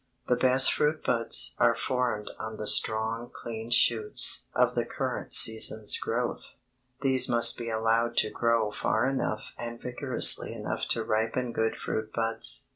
The best fruit buds are formed on the strong clean shoots of the current season's growth. These must be allowed to grow far enough and vigorously enough to ripen good fruit buds.